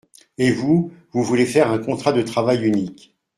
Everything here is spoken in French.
Et vous, vous voulez faire un contrat de travail unique.